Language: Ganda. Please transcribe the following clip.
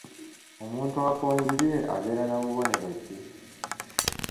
Omuntu akonzibye abeera na bubonero ki?